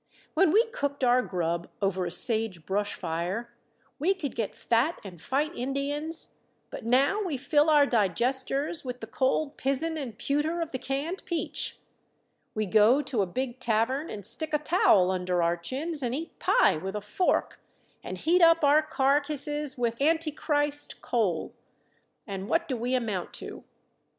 When we cooked our grub over a sage brush fire we could get fat and fight Indians, but now we fill our digesters with the cold pizen and pewter of the canned peach; we go to a big tavern and stick a towel under our chins and eat pie with a fork and heat up our carkisses with antichrist coal, and what do we amount to?